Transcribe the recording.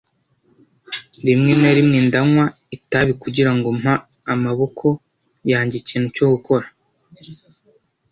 Rimwe na rimwe ndanywa itabi kugirango mpa amaboko yanjye ikintu cyo gukora.